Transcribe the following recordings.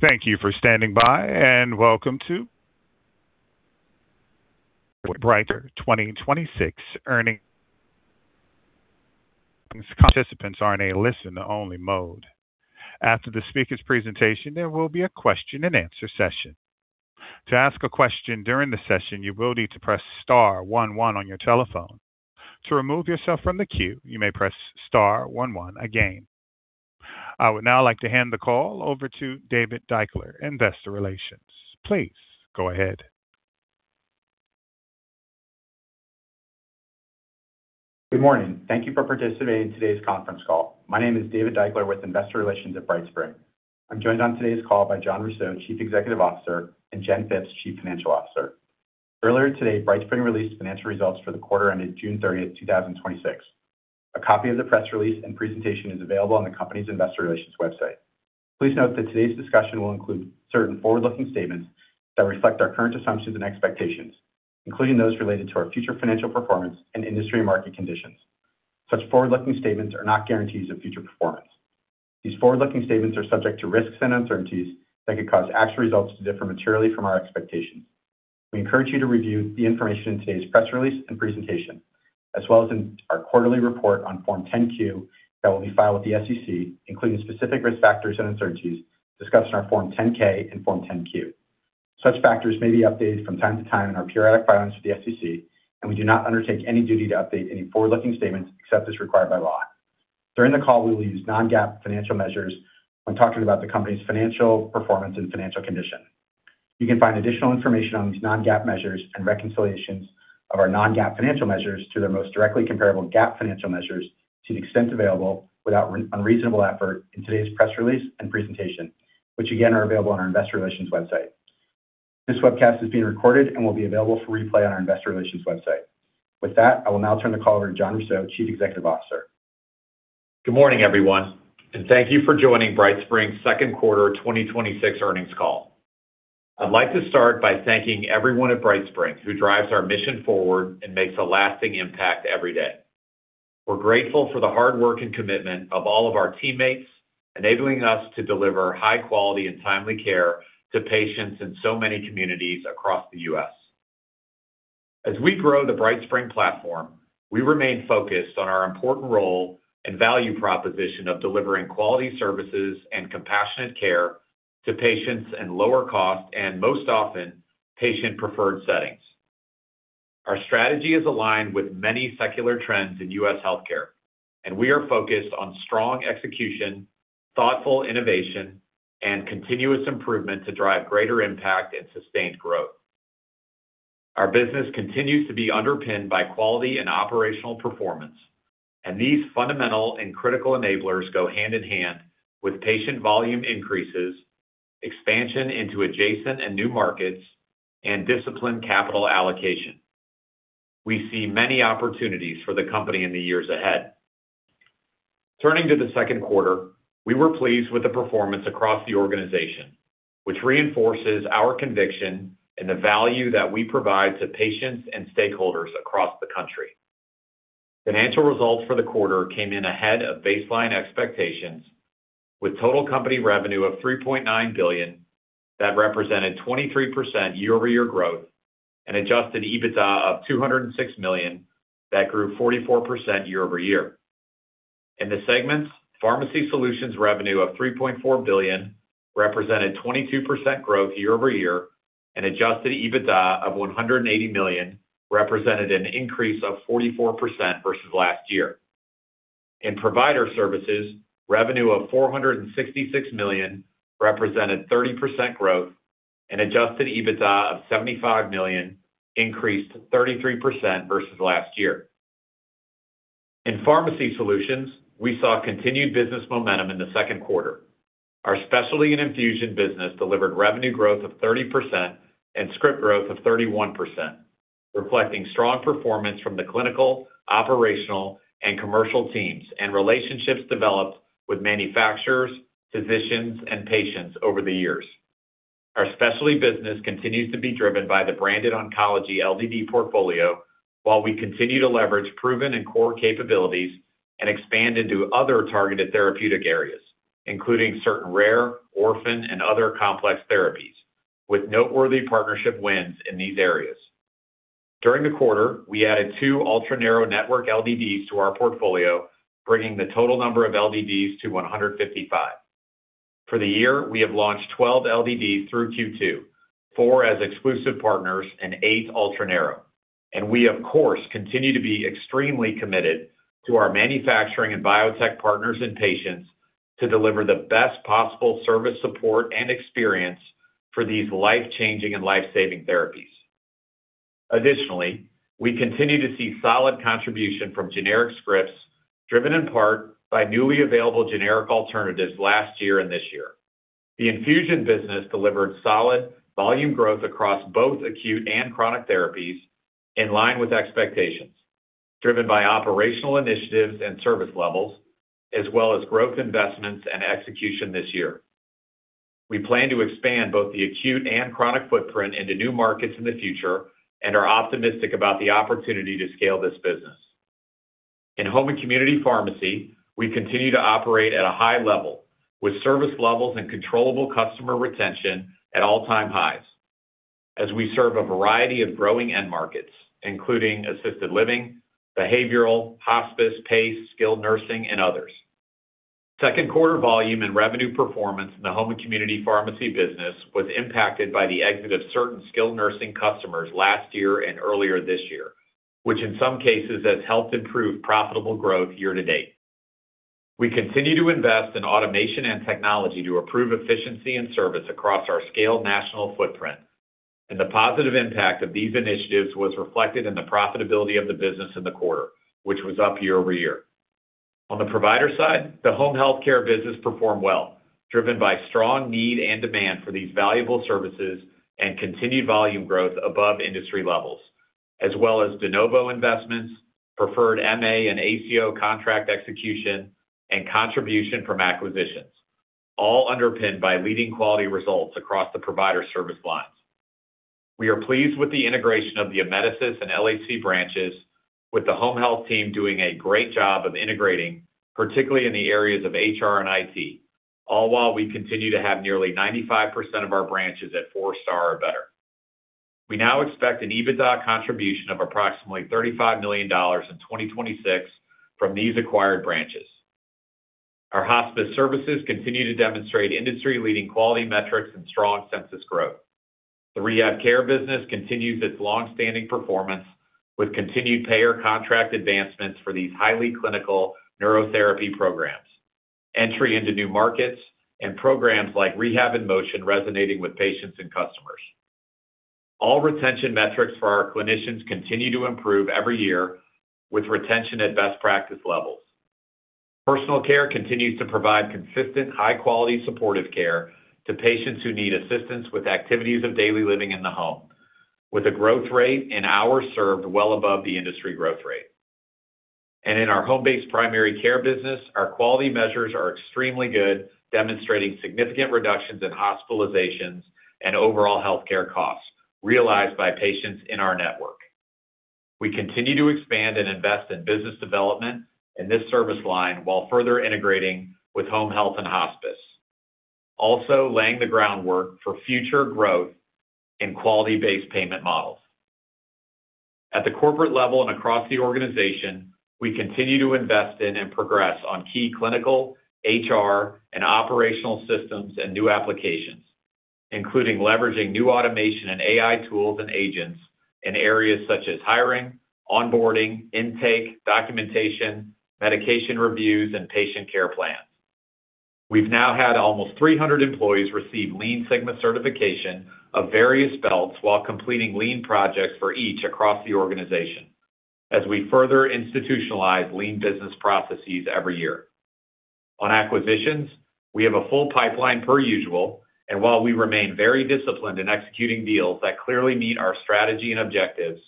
Thank you for standing by, and welcome to BrightSpring 2026 earnings. Participants are in a listen-only mode. After the speaker's presentation, there will be a question and answer session. To ask a question during the session, you will need to press star one one on your telephone. To remove yourself from the queue, you may press star one one again. I would now like to hand the call over to David Deuchler, investor relations. Please go ahead. Good morning. Thank you for participating in today's conference call. My name is David Deuchler with Investor Relations at BrightSpring. I'm joined on today's call by Jon Rousseau, Chief Executive Officer, and Jen Phipps, Chief Financial Officer. Earlier today, BrightSpring released financial results for the quarter ended June 30th, 2026. A copy of the press release and presentation is available on the company's investor relations website. Please note that today's discussion will include certain forward-looking statements that reflect our current assumptions and expectations, including those related to our future financial performance and industry market conditions. Such forward-looking statements are not guarantees of future performance. These forward-looking statements are subject to risks and uncertainties that could cause actual results to differ materially from our expectations. We encourage you to review the information in today's press release and presentation, as well as in our quarterly report on Form 10-Q that will be filed with the SEC, including specific risk factors and uncertainties discussed in our Form 10-K and Form 10-Q. Such factors may be updated from time to time in our periodic filings with the SEC, and we do not undertake any duty to update any forward-looking statements except as required by law. During the call, we will use Non-GAAP financial measures when talking about the company's financial performance and financial condition. You can find additional information on these Non-GAAP measures and reconciliations of our Non-GAAP financial measures to their most directly comparable GAAP financial measures to the extent available without unreasonable effort in today's press release and presentation, which again, are available on our investor relations website. This webcast is being recorded and will be available for replay on our investor relations website. With that, I will now turn the call over to Jon Rousseau, Chief Executive Officer. Good morning, everyone, and thank you for joining BrightSpring's second quarter 2026 earnings call. I'd like to start by thanking everyone at BrightSpring who drives our mission forward and makes a lasting impact every day. We are grateful for the hard work and commitment of all of our teammates, enabling us to deliver high quality and timely care to patients in so many communities across the U.S. As we grow the BrightSpring platform, we remain focused on our important role and value proposition of delivering quality services and compassionate care to patients at lower cost and most often, patient preferred settings. Our strategy is aligned with many secular trends in U.S. healthcare. We are focused on strong execution, thoughtful innovation, and continuous improvement to drive greater impact and sustained growth. Our business continues to be underpinned by quality and operational performance. These fundamental and critical enablers go hand in hand with patient volume increases, expansion into adjacent and new markets, and disciplined capital allocation. We see many opportunities for the company in the years ahead. Turning to the second quarter, we were pleased with the performance across the organization, which reinforces our conviction and the value that we provide to patients and stakeholders across the country. Financial results for the quarter came in ahead of baseline expectations, with total company revenue of $3.9 billion, that represented 23% year-over-year growth and adjusted EBITDA of $206 million, that grew 44% year-over-year. In the segments, Pharmacy Solutions revenue of $3.4 billion represented 22% growth year-over-year and adjusted EBITDA of $180 million represented an increase of 44% versus last year. In Provider Services, revenue of $466 million represented 30% growth and adjusted EBITDA of $75 million increased 33% versus last year. In Pharmacy Solutions, we saw continued business momentum in the second quarter. Our specialty and infusion business delivered revenue growth of 30% and script growth of 31%, reflecting strong performance from the clinical, operational, and commercial teams and relationships developed with manufacturers, physicians, and patients over the years. Our specialty business continues to be driven by the branded oncology LDD portfolio. We continue to leverage proven and core capabilities and expand into other targeted therapeutic areas, including certain rare, orphan, and other complex therapies with noteworthy partnership wins in these areas. During the quarter, we added two ultranarrow network LDDs to our portfolio, bringing the total number of LDDs to 155. For the year, we have launched 12 LDDs through Q2, four as exclusive partners and eight ultranarrow. We of course continue to be extremely committed to our manufacturing and biotech partners and patients to deliver the best possible service support and experience for these life-changing and life-saving therapies. Additionally, we continue to see solid contribution from generic scripts driven in part by newly available generic alternatives last year and this year. The infusion business delivered solid volume growth across both acute and chronic therapies in line with expectations, driven by operational initiatives and service levels as well as growth investments and execution this year. We plan to expand both the acute and chronic footprint into new markets in the future and are optimistic about the opportunity to scale this business. In home and community pharmacy, we continue to operate at a high level with service levels and controllable customer retention at all-time highs, as we serve a variety of growing end markets, including assisted living, behavioral, hospice, pace, skilled nursing, and others. Second quarter volume and revenue performance in the home and community pharmacy business was impacted by the exit of certain skilled nursing customers last year and earlier this year, which in some cases has helped improve profitable growth year to date. We continue to invest in automation and technology to improve efficiency and service across our scaled national footprint, and the positive impact of these initiatives was reflected in the profitability of the business in the quarter, which was up year-over-year. On the provider side, the home health care business performed well, driven by strong need and demand for these valuable services and continued volume growth above industry levels, as well as de novo investments, preferred MA and ACO contract execution, and contribution from acquisitions, all underpinned by leading quality results across the provider service lines. We are pleased with the integration of the Amedisys and LHC branches, with the home health team doing a great job of integrating, particularly in the areas of Human Resource and IT, all while we continue to have nearly 95% of our branches at four star or better. We now expect an EBITDA contribution of approximately $35 million in 2026 from these acquired branches. Our hospice services continue to demonstrate industry-leading quality metrics and strong census growth. The rehab care business continues its longstanding performance with continued payer contract advancements for these highly clinical neurotherapy programs, entry into new markets, and programs like Rehab in Motion resonating with patients and customers. All retention metrics for our clinicians continue to improve every year with retention at best practice levels. Personal care continues to provide consistent, high quality supportive care to patients who need assistance with activities of daily living in the home, with a growth rate and hours served well above the industry growth rate. In our home-based primary care business, our quality measures are extremely good, demonstrating significant reductions in hospitalizations and overall healthcare costs realized by patients in our network. We continue to expand and invest in business development in this service line while further integrating with home health and hospice, also laying the groundwork for future growth in quality-based payment models. At the corporate level and across the organization, we continue to invest in and progress on key clinical, HR, and operational systems and new applications, including leveraging new automation and AI tools and agents in areas such as hiring, onboarding, intake, documentation, medication reviews, and patient care plans. We've now had almost 300 employees receive Lean Six Sigma certification of various belts while completing lean projects for each across the organization as we further institutionalize lean business processes every year. On acquisitions, we have a full pipeline per usual, while we remain very disciplined in executing deals that clearly meet our strategy and objectives,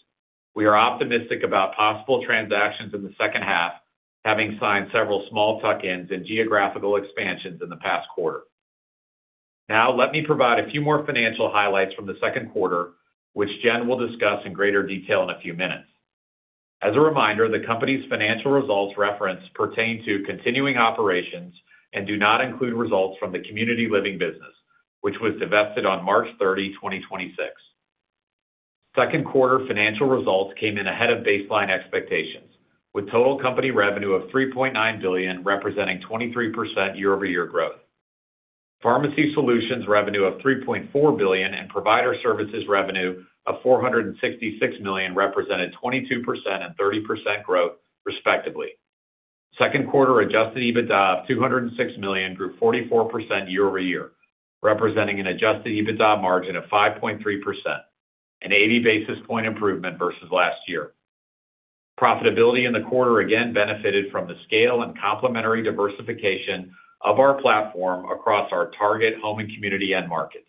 we are optimistic about possible transactions in the second half, having signed several small tuck-ins and geographical expansions in the past quarter. Let me provide a few more financial highlights from the second quarter, which Jen will discuss in greater detail in a few minutes. As a reminder, the company's financial results referenced pertain to continuing operations and do not include results from the community living business, which was divested on March 30, 2026. Second quarter financial results came in ahead of baseline expectations, with total company revenue of $3.9 billion, representing 23% year-over-year growth. Pharmacy solutions revenue of $3.4 billion and provider services revenue of $466 million represented 22% and 30% growth, respectively. Second quarter adjusted EBITDA of $206 million grew 44% year-over-year, representing an adjusted EBITDA margin of 5.3%, an 80 basis point improvement versus last year. Profitability in the quarter again benefited from the scale and complementary diversification of our platform across our target home and community end markets,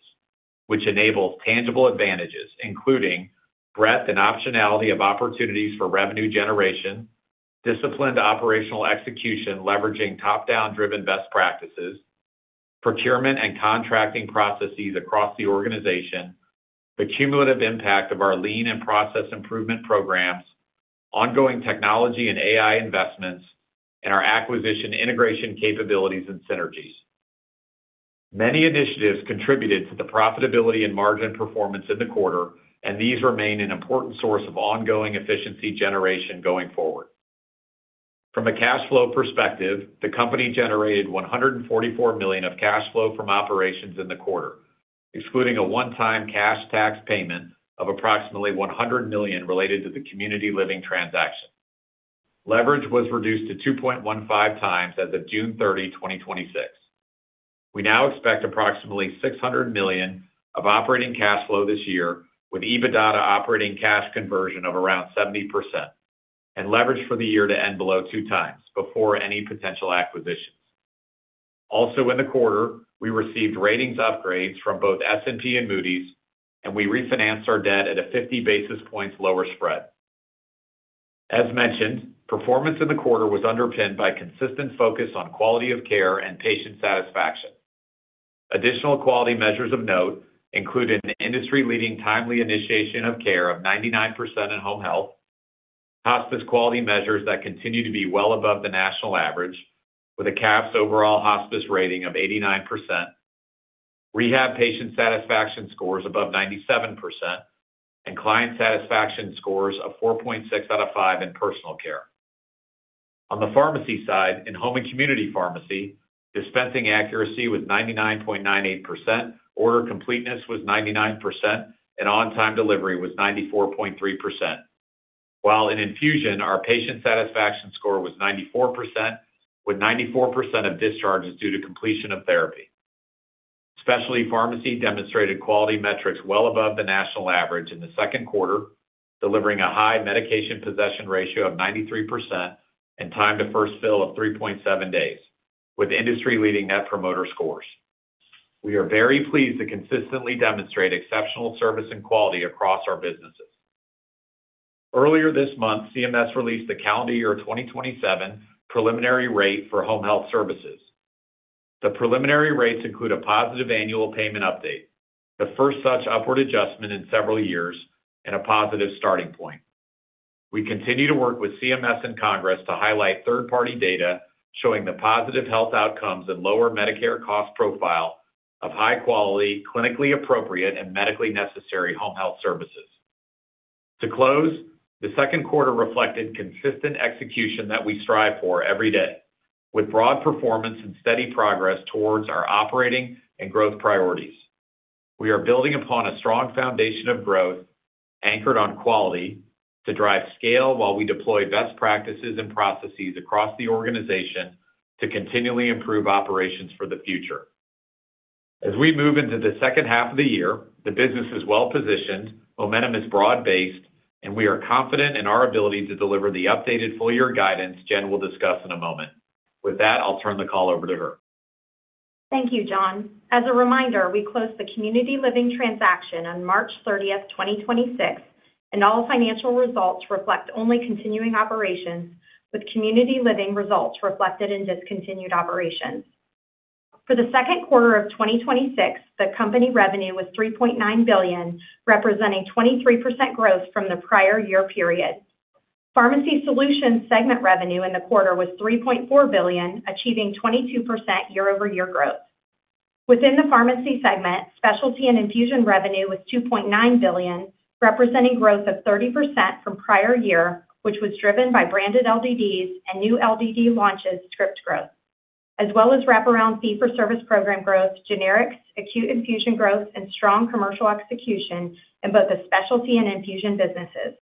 which enables tangible advantages, including breadth and optionality of opportunities for revenue generation, disciplined operational execution leveraging top-down driven best practices, procurement and contracting processes across the organization, the cumulative impact of our lean and process improvement programs, ongoing technology and AI investments, and our acquisition integration capabilities and synergies. Many initiatives contributed to the profitability and margin performance in the quarter, these remain an important source of ongoing efficiency generation going forward. From a cash flow perspective, the company generated $144 million of cash flow from operations in the quarter, excluding a one-time cash tax payment of approximately $100 million related to the community living transaction. Leverage was reduced to 2.15x as of June 30, 2026. We now expect approximately $600 million of operating cash flow this year, with EBITDA to operating cash conversion of around 70%, and leverage for the year to end below 2x before any potential acquisitions. Also in the quarter, we received ratings upgrades from both S&P and Moody's, and we refinanced our debt at a 50 basis points lower spread. As mentioned, performance in the quarter was underpinned by consistent focus on quality of care and patient satisfaction. Additional quality measures of note include an industry-leading timely initiation of care of 99% in home health, hospice quality measures that continue to be well above the national average with a CAHPS overall hospice rating of 89%, rehab patient satisfaction scores above 97%, and client satisfaction scores of 4.6 out of five in personal care. On the pharmacy side, in home and community pharmacy, dispensing accuracy was 99.98%, order completeness was 99%, and on-time delivery was 94.3%. While in infusion, our patient satisfaction score was 94%, with 94% of discharges due to completion of therapy. Specialty pharmacy demonstrated quality metrics well above the national average in the second quarter, delivering a high medication possession ratio of 93% and time to first fill of 3.7 days, with industry-leading net promoter scores. We are very pleased to consistently demonstrate exceptional service and quality across our businesses. Earlier this month, CMS released the calendar year 2027 preliminary rate for home health services. The preliminary rates include a positive annual payment update, the first such upward adjustment in several years, and a positive starting point. We continue to work with CMS and Congress to highlight third-party data showing the positive health outcomes and lower Medicare cost profile of high quality, clinically appropriate, and medically necessary home health services. To close, the second quarter reflected consistent execution that we strive for every day, with broad performance and steady progress towards our operating and growth priorities. We are building upon a strong foundation of growth anchored on quality to drive scale while we deploy best practices and processes across the organization to continually improve operations for the future. As we move into the second half of the year, the business is well-positioned, momentum is broad-based, and we are confident in our ability to deliver the updated full-year guidance Jen will discuss in a moment. With that, I'll turn the call over to her. Thank you, Jon. As a reminder, we closed the community living transaction on March 30th, 2026, and all financial results reflect only continuing operations, with community living results reflected in discontinued operations. For the second quarter of 2026, the company revenue was $3.9 billion, representing 23% growth from the prior year period. Pharmacy Solutions segment revenue in the quarter was $3.4 billion, achieving 22% year-over-year growth. Within the Pharmacy Solutions segment, specialty and infusion revenue was $2.9 billion, representing growth of 30% from prior year, which was driven by branded LDDs and new LDD launches script growth, as well as wraparound fee for service program growth, generics, acute infusion growth, and strong commercial execution in both the specialty and infusion businesses.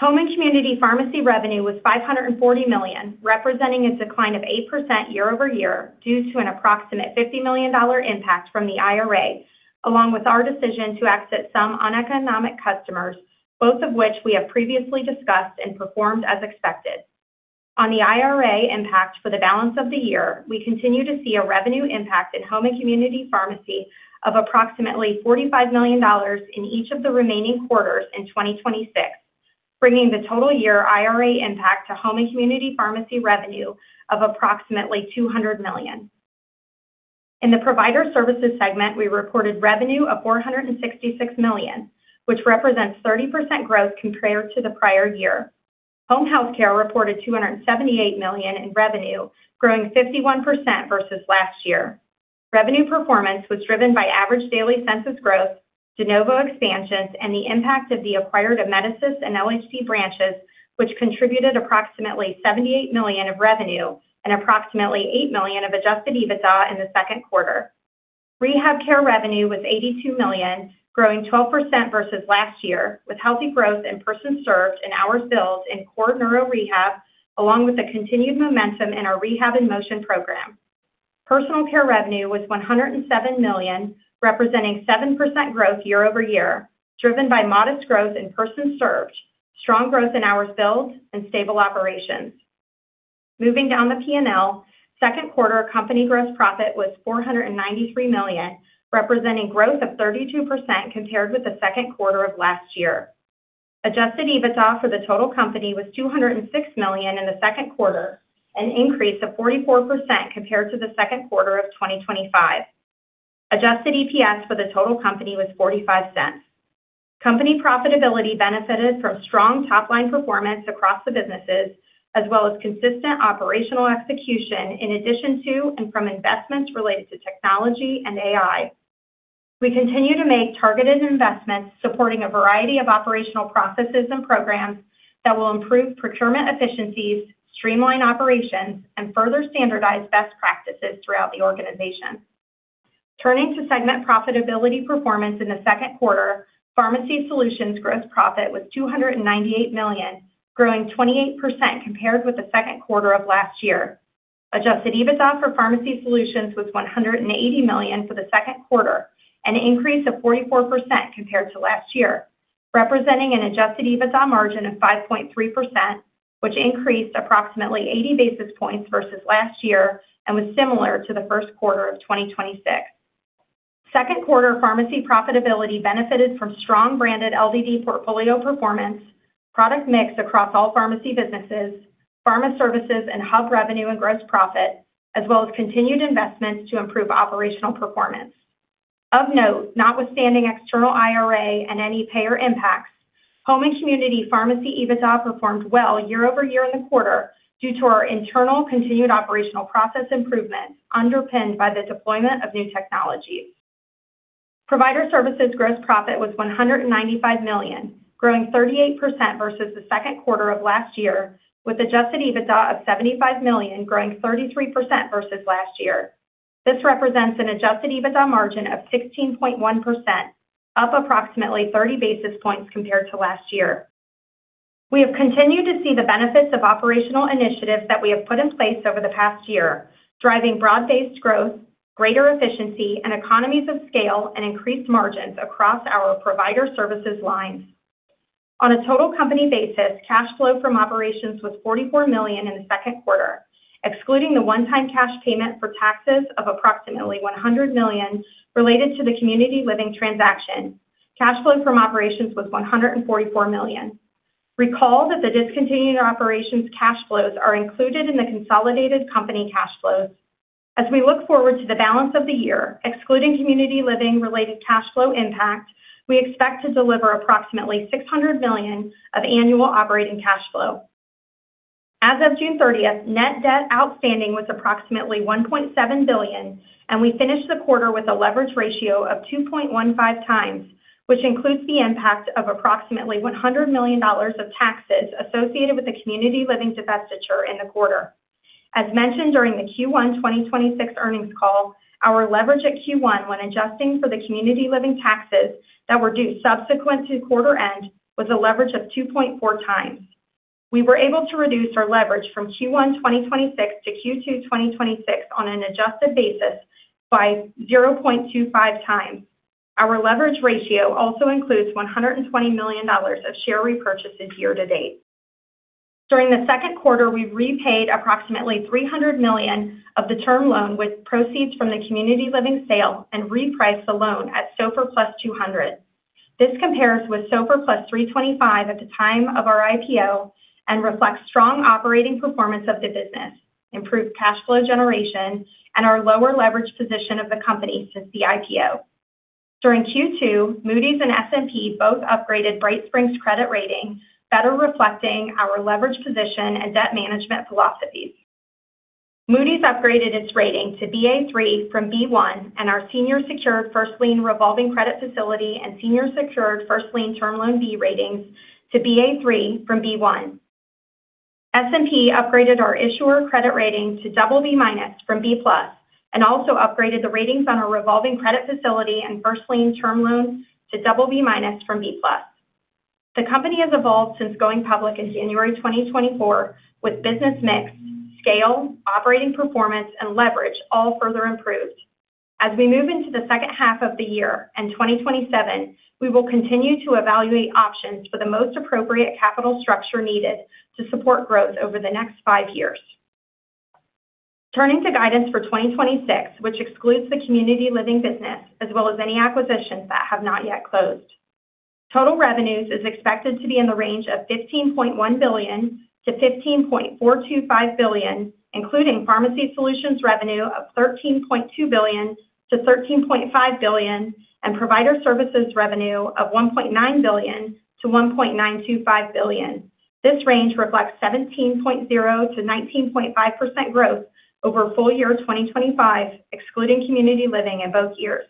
Home and community pharmacy revenue was $540 million, representing a decline of 8% year-over-year due to an approximate $50 million impact from the IRA, along with our decision to exit some uneconomic customers, both of which we have previously discussed and performed as expected. On the IRA impact for the balance of the year, we continue to see a revenue impact in home and community pharmacy of approximately $45 million in each of the remaining quarters in 2026, bringing the total year IRA impact to home and community pharmacy revenue of approximately $200 million. In the Provider Services segment, we reported revenue of $466 million, which represents 30% growth compared to the prior year. Home Healthcare reported $278 million in revenue, growing 51% versus last year. Revenue performance was driven by average daily census growth, de novo expansions, and the impact of the acquired Amedisys and LHC branches, which contributed approximately $78 million of revenue and approximately $8 million of adjusted EBITDA in the second quarter. Rehab care revenue was $82 million, growing 12% versus last year, with healthy growth in persons served and hours billed in core neuro rehab, along with the continued momentum in our Rehab in Motion program. Personal care revenue was $107 million, representing 7% growth year-over-year, driven by modest growth in persons served, strong growth in hours billed, and stable operations. Moving down the P&L, second quarter company gross profit was $493 million, representing growth of 32% compared with the second quarter of last year. Adjusted EBITDA for the total company was $206 million in the second quarter, an increase of 44% compared to the second quarter of 2025. Adjusted EPS for the total company was $0.45. Company profitability benefited from strong top-line performance across the businesses, as well as consistent operational execution in addition to and from investments related to technology and AI. We continue to make targeted investments supporting a variety of operational processes and programs that will improve procurement efficiencies, streamline operations, and further standardize best practices throughout the organization. Turning to segment profitability performance in the second quarter, Pharmacy Solutions gross profit was $298 million, growing 28% compared with the second quarter of last year. Adjusted EBITDA for Pharmacy Solutions was $180 million for the second quarter, an increase of 44% compared to last year, representing an adjusted EBITDA margin of 5.3%, which increased approximately 80 basis points versus last year and was similar to the first quarter of 2026. Second quarter pharmacy profitability benefited from strong branded LDD portfolio performance, product mix across all pharmacy businesses, pharma services, and hub revenue and gross profit, as well as continued investments to improve operational performance. Of note, notwithstanding external IRA and any payer impacts, home and community pharmacy EBITDA performed well year-over-year in the quarter due to our internal continued operational process improvement, underpinned by the deployment of new technologies. Provider Services gross profit was $195 million, growing 38% versus the second quarter of last year, with adjusted EBITDA of $75 million, growing 33% versus last year. This represents an adjusted EBITDA margin of 16.1%, up approximately 30 basis points compared to last year. We have continued to see the benefits of operational initiatives that we have put in place over the past year, driving broad-based growth, greater efficiency and economies of scale, and increased margins across our provider services lines. On a total company basis, cash flow from operations was $44 million in the second quarter. Excluding the one-time cash payment for taxes of approximately $100 million related to the community living transaction, cash flow from operations was $144 million. Recall that the discontinued operations cash flows are included in the consolidated company cash flows. As we look forward to the balance of the year, excluding community living-related cash flow impact, we expect to deliver approximately $600 million of annual operating cash flow. As of June 30th, net debt outstanding was approximately $1.7 billion, and we finished the quarter with a leverage ratio of 2.15x, which includes the impact of approximately $100 million of taxes associated with the community living divestiture in the quarter. As mentioned during the Q1 2026 earnings call, our leverage at Q1, when adjusting for the community living taxes that were due subsequent to quarter end, was a leverage of 2.4x. We were able to reduce our leverage from Q1 2026 to Q2 2026 on an adjusted basis by 0.25x. Our leverage ratio also includes $120 million of share repurchases year to date. During the second quarter, we repaid approximately $300 million of the term loan with proceeds from the community living sale and repriced the loan at SOFR +200 basis points. This compares with SOFR +325 basis points at the time of our IPO and reflects strong operating performance of the business, improved cash flow generation, and our lower leverage position of the company since the IPO. During Q2, Moody's and S&P both upgraded BrightSpring's credit rating, better reflecting our leverage position and debt management philosophies. Moody's upgraded its rating to Ba3 from B1, and our senior secured first lien revolving credit facility and senior secured first lien term loan B ratings to Ba3 from B1. S&P upgraded our issuer credit rating to BB- from B+, and also upgraded the ratings on our revolving credit facility and first lien term loans to BB- from B+. The company has evolved since going public in January 2024, with business mix, scale, operating performance, and leverage all further improved. As we move into the second half of the year and 2027, we will continue to evaluate options for the most appropriate capital structure needed to support growth over the next five years. Turning to guidance for 2026, which excludes the community living business as well as any acquisitions that have not yet closed. Total revenues is expected to be in the range of $15.1 billion-$15.425 billion, including pharmacy solutions revenue of $13.2 billion-$13.5 billion, and provider services revenue of $1.9 billion-$1.925 billion. This range reflects 17.0%-19.5% growth over full year 2025, excluding community living in both years.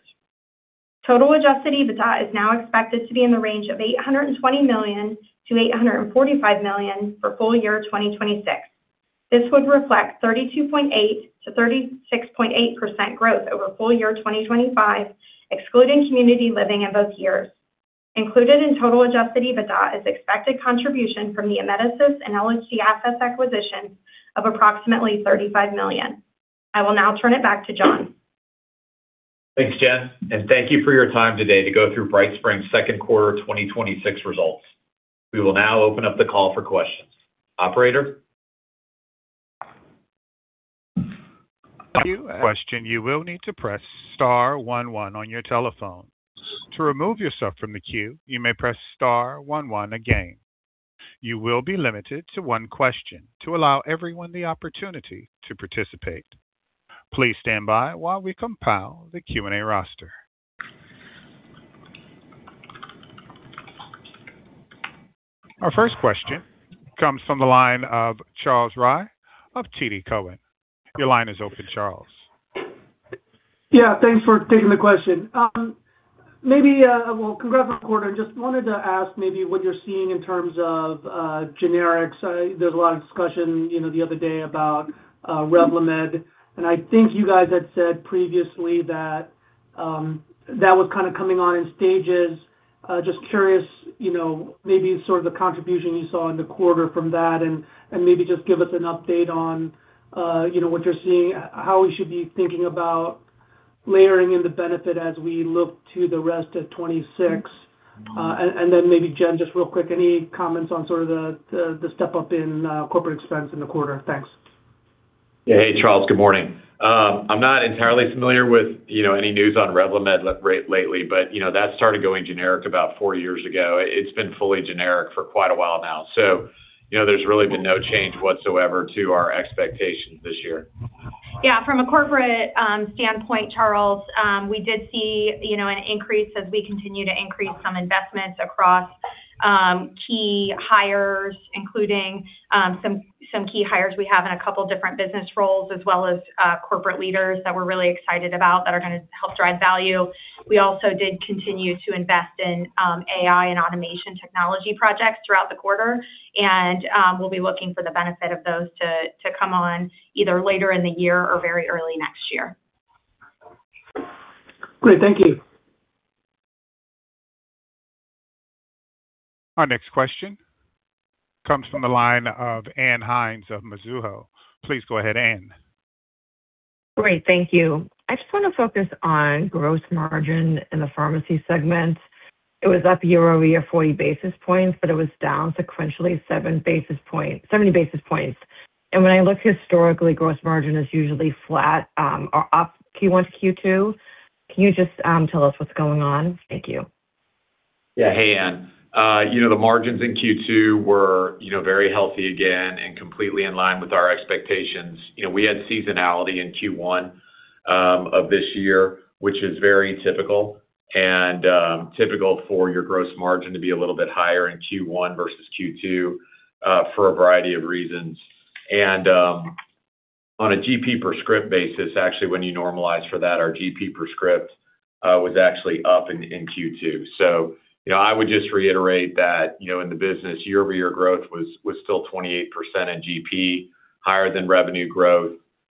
Total adjusted EBITDA is now expected to be in the range of $820 million-$845 million for full year 2026. This would reflect 32.8%-36.8% growth over full year 2025, excluding community living in both years. Included in total adjusted EBITDA is expected contribution from the Amedisys and LHC assets acquisition of approximately $35 million. I will now turn it back to Jon. Thanks, Jen, and thank you for your time today to go through BrightSpring's second quarter 2026 results. We will now open up the call for questions. Operator? For a question, you will need to press star one one on your telephone. To remove yourself from the queue, you may press star one one again. You will be limited to one question to allow everyone the opportunity to participate. Please stand by while we compile the question-and-answer roster. Our first question comes from the line of Charles Rhyee of TD Cowen. Your line is open, Charles. Yeah, thanks for taking the question. Well, congrats on the quarter. Just wanted to ask maybe what you're seeing in terms of generics. There's a lot of discussion the other day about REVLIMID, and I think you guys had said previously that was kind of coming on in stages. Just curious, maybe sort of the contribution you saw in the quarter from that, and maybe just give us an update on what you're seeing, how we should be thinking about layering in the benefit as we look to the rest of 2026. Maybe Jen, just real quick, any comments on sort of the step-up in corporate expense in the quarter? Thanks. Yeah. Hey, Charles. Good morning. I'm not entirely familiar with any news on REVLIMID lately, but that started going generic about four years ago. It's been fully generic for quite a while now. There's really been no change whatsoever to our expectations this year. Yeah, from a corporate standpoint, Charles, we did see an increase as we continue to increase some investments across key hires, including some key hires we have in a couple different business roles as well as corporate leaders that we're really excited about that are going to help drive value. We also did continue to invest in AI and automation technology projects throughout the quarter, and we'll be looking for the benefit of those to come on either later in the year or very early next year. Great. Thank you. Our next question comes from the line of Ann Hynes of Mizuho. Please go ahead, Ann. Great. Thank you. I just want to focus on gross margin in the pharmacy segment. It was up year-over-year 40 basis points, but it was down sequentially 70 basis points. When I look historically, gross margin is usually flat or up Q1-Q2. Can you just tell us what's going on? Thank you. Yeah. Hey, Ann. The margins in Q2 were very healthy again and completely in line with our expectations. We had seasonality in Q1 of this year, which is very typical and typical for your gross margin to be a little bit higher in Q1 versus Q2 for a variety of reasons. On a GP per script basis, actually, when you normalize for that, our GP per script was actually up in Q2. So, I would just reiterate that in the business, year-over-year growth was still 28% in GP, higher than revenue growth.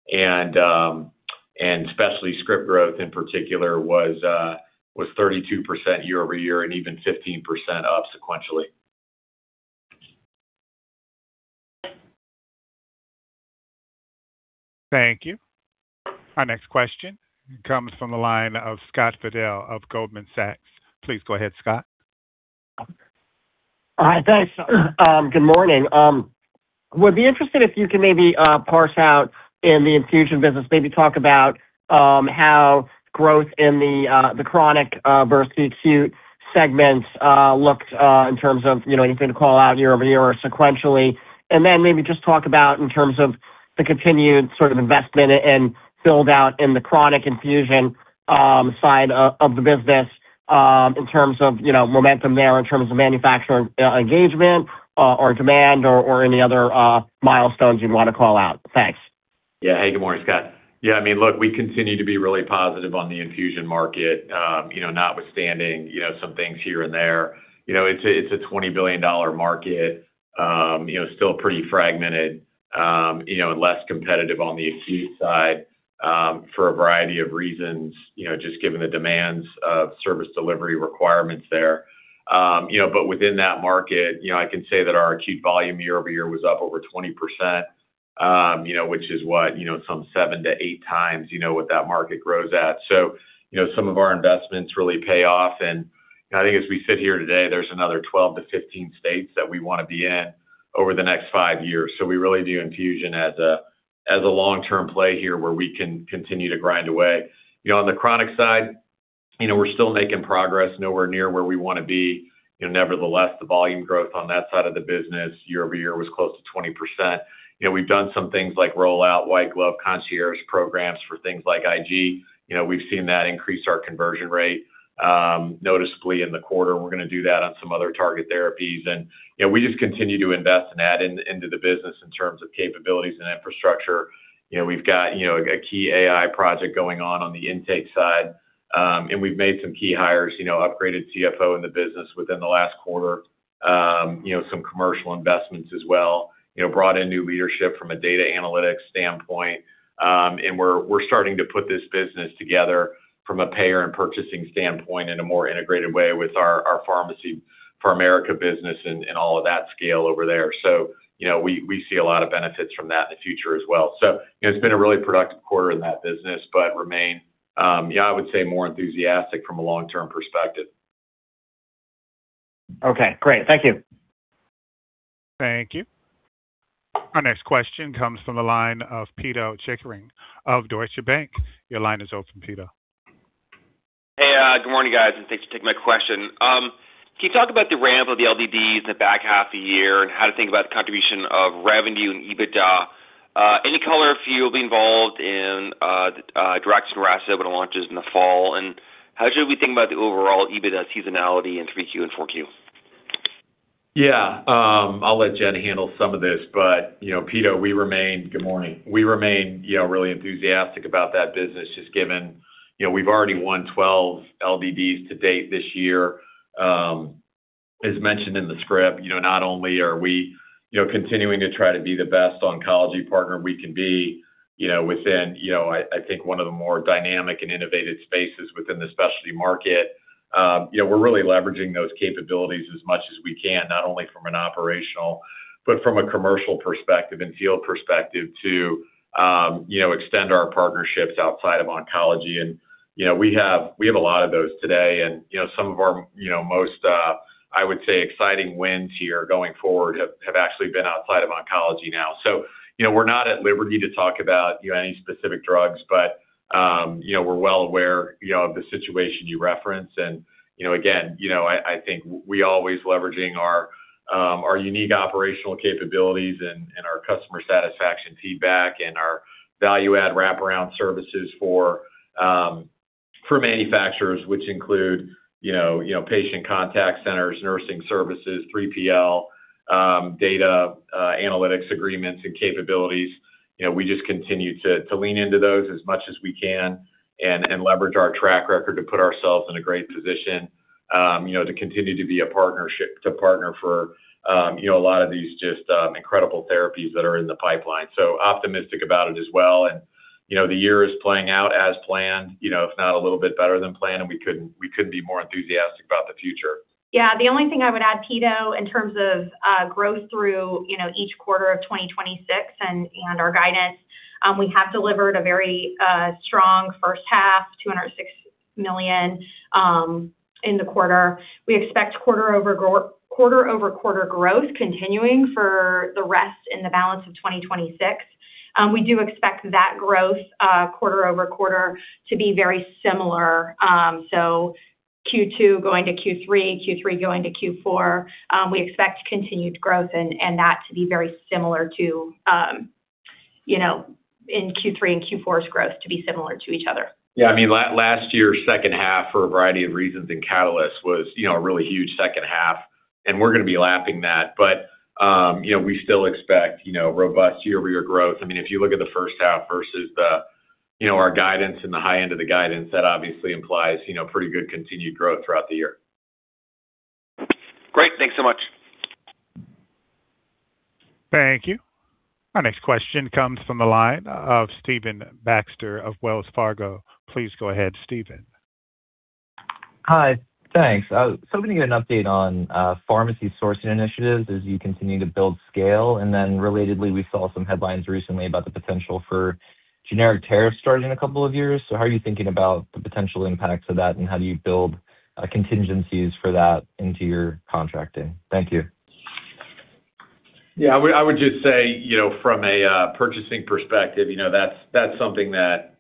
Specialty script growth in particular was 32% year-over-year and even 15% up sequentially. Thank you. Our next question comes from the line of Scott Fidel of Goldman Sachs. Please go ahead, Scott. Hi, thanks. Good morning. Would be interested if you can maybe parse out in the infusion business, maybe talk about how growth in the chronic versus the acute segments looked in terms of anything to call out year-over-year or sequentially. Then maybe just talk about in terms of the continued sort of investment and build-out in the chronic infusion side of the business in terms of momentum there, in terms of manufacturing engagement or demand or any other milestones you'd want to call out. Thanks. Yeah. Hey, good morning, Scott. Yeah, look, we continue to be really positive on the infusion market, notwithstanding some things here and there. It's a $20 billion market, still pretty fragmented, and less competitive on the acute side for a variety of reasons, just given the demands of service delivery requirements there. But within that market, I can say that our acute volume year-over-year was up over 20%, which is what? Some 7x-8x what that market grows at. So, some of our investments really pay off, and I think as we sit here today, there's another 12 states-15 states that we want to be in over the next five years. So we really view infusion as a long-term play here where we can continue to grind away. On the chronic side, we're still making progress, nowhere near where we want to be. Nevertheless, the volume growth on that side of the business year-over-year was close to 20%. We've done some things like roll out white glove concierge programs for things like IG. We've seen that increase our conversion rate noticeably in the quarter. We're going to do that on some other target therapies. We just continue to invest in that into the business in terms of capabilities and infrastructure. We've got a key AI project going on on the intake side. We've made some key hires, upgraded Chief Financial Officer in the business within the last quarter. Some commercial investments as well. Brought in new leadership from a data analytics standpoint. We're starting to put this business together from a payer and purchasing standpoint in a more integrated way with our PharMerica business and all of that scale over there. We see a lot of benefits from that in the future as well. It's been a really productive quarter in that business, but remain, I would say, more enthusiastic from a long-term perspective. Okay, great. Thank you. Thank you. Our next question comes from the line of Pito Chickering of Deutsche Bank. Your line is open, Pito. Good morning, guys, and thanks for taking my question. Can you talk about the ramp of the LDDs in the back half of the year and how to think about the contribution of revenue and EBITDA? Any color if you'll be involved in drug when it launches in the fall? How should we think about the overall EBITDA seasonality in 3Q and 4Q? I'll let Jen handle some of this. Pito, good morning. We remain really enthusiastic about that business, just given we've already won 12 LDDs to date this year. As mentioned in the script, not only are we continuing to try to be the best oncology partner we can be within, I think one of the more dynamic and innovative spaces within the specialty market. We're really leveraging those capabilities as much as we can, not only from an operational, but from a commercial perspective and field perspective to extend our partnerships outside of oncology. We have a lot of those today, and some of our most, I would say, exciting wins here going forward have actually been outside of oncology now. We're not at liberty to talk about any specific drugs. We're well aware of the situation you referenced, and again, I think we're always leveraging our unique operational capabilities and our customer satisfaction feedback and our value-add wraparound services for manufacturers, which include patient contact centers, nursing services, 3PL, data analytics agreements and capabilities. We just continue to lean into those as much as we can and leverage our track record to put ourselves in a great position, to continue to be a partner for a lot of these just incredible therapies that are in the pipeline. Optimistic about it as well. The year is playing out as planned, if not a little bit better than planned, and we couldn't be more enthusiastic about the future. The only thing I would add, Pito, in terms of growth through each quarter of 2026 and our guidance, we have delivered a very strong first half, $206 million in the quarter. We expect quarter-over-quarter growth continuing for the rest in the balance of 2026. We do expect that growth, quarter-over-quarter, to be very similar. Q2 going to Q3 going to Q4, we expect continued growth and that to be very similar to Q3 and Q4's growth to be similar to each other. Last year, second half, for a variety of reasons, and catalysts was a really huge second half, and we're going to be lapping that. We still expect robust year-over-year growth. If you look at the first half versus our guidance and the high end of the guidance, that obviously implies pretty good continued growth throughout the year. Great. Thanks so much. Thank you. Our next question comes from the line of Stephen Baxter of Wells Fargo. Please go ahead, Stephen. Hi. Thanks. I'm going to get an update on pharmacy sourcing initiatives as you continue to build scale. Relatedly, we saw some headlines recently about the potential for generic tariffs starting in a couple of years. How are you thinking about the potential impacts of that, and how do you build contingencies for that into your contracting? Thank you. Yeah. I would just say from a purchasing perspective, that's something that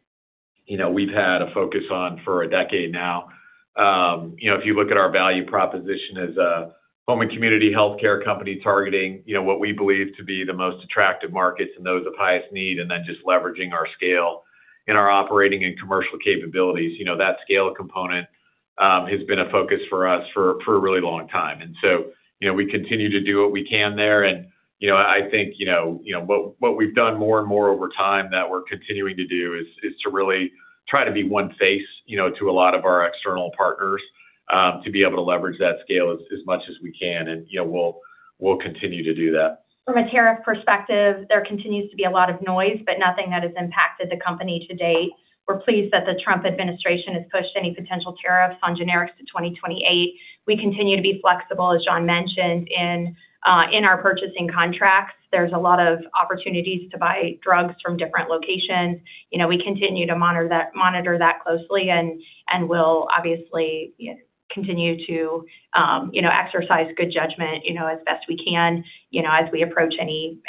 we've had a focus on for a decade now. If you look at our value proposition as a home and community healthcare company targeting what we believe to be the most attractive markets and those of highest need, then just leveraging our scale and our operating and commercial capabilities, that scale component has been a focus for us for a really long time. So, we continue to do what we can there. I think what we've done more and more over time that we're continuing to do is to really try to be one face to a lot of our external partners, to be able to leverage that scale as much as we can. We'll continue to do that. From a tariff perspective, there continues to be a lot of noise, nothing that has impacted the company to date. We're pleased that the Trump administration has pushed any potential tariffs on generics to 2028. We continue to be flexible, as Jon mentioned, in our purchasing contracts. There's a lot of opportunities to buy drugs from different locations. We continue to monitor that closely, we'll obviously continue to exercise good judgment as best we can as we approach any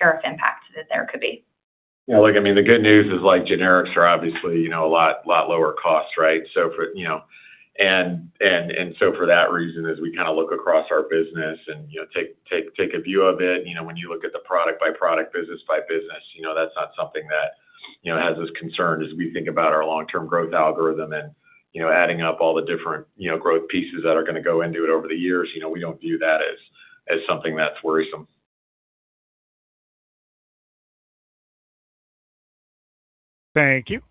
tariff impact that there could be. Yeah, look, the good news is generics are obviously a lot lower cost, right? For that reason, as we look across our business and take a view of it, when you look at the product by product, business by business, that's not something that has us concerned as we think about our long-term growth algorithm and adding up all the different growth pieces that are going to go into it over the years. We don't view that as something that's worrisome. Thank you.